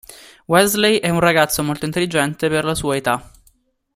Wesley è un ragazzo molto intelligente per la sua età.